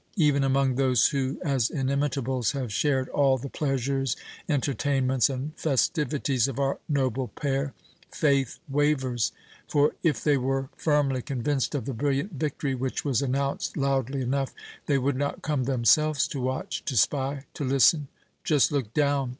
Even among those who as 'Inimitables' have shared all the pleasures, entertainments, and festivities of our noble pair, faith wavers; for if they were firmly convinced of the brilliant victory which was announced loudly enough, they would not come themselves to watch, to spy, to listen. Just look down!